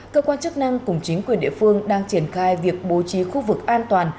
cơ quan chức năng cùng chính quyền địa phương đang triển khai việc bố trí khu vực an toàn